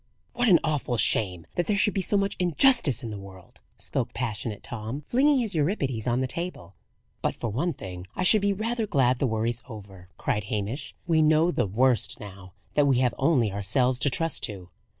"What an awful shame that there should be so much injustice in the world!" spoke passionate Tom, flinging his Euripides on the table. "But for one thing, I should be rather glad the worry's over," cried Hamish. "We know the worst now that we have only ourselves to trust to."